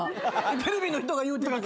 テレビの人が言うてたから。